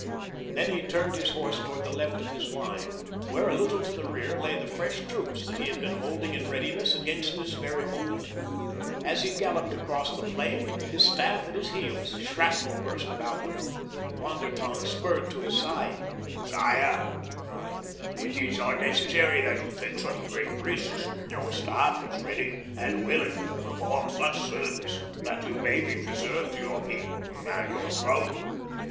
Then he turned his horse toward the left of his line, where, a little to the rear, lay the fresh troops that he had been holding in readiness against this very moment. As he galloped across the plain, his staff at his heels, shrapnel burst about them. Von der Tann spurred to his side. "Sire," he cried, "it is unnecessary that you take such grave risks. Your staff is ready and willing to perform such service that you may be preserved to your people and your throne."